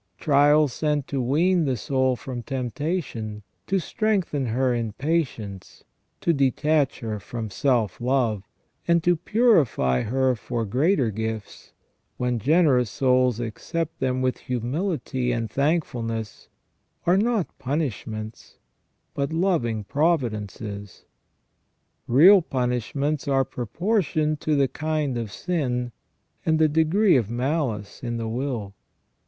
Trials sent to wean the soul from temptation, to strengthen her in patience, to detach her from self love, and to purify her for greater gifts, when generous souls accept them with humility and thankfulness, are not punishments but loving providences. Real punishments are proportioned to the kind of sin, and the degree of malice in the will.